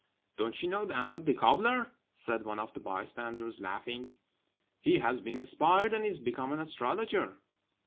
"Don't you know Ahmed the cobbler?" said one of the bystanders, laughing; "he has been inspired, and is become an astrologer."